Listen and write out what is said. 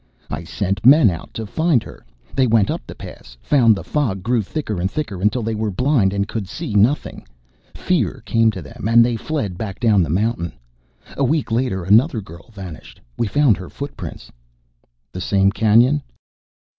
I sent men out to find her. They went up the Pass, found the fog grew thicker and thicker until they were blind and could see nothing. Fear came to them and they fled back down the mountain. A week later another girl vanished. We found her footprints." "The same canyon?"